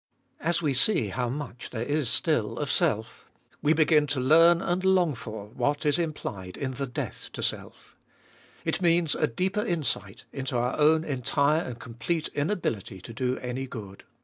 As we see how much there still is of self, we begin to learn and long for what is implied in the death to self. It means a deeper insight into our own entire and complete inability to do any good.